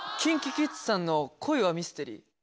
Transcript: ＫｉｎＫｉＫｉｄｓさんの「恋はミステリー」？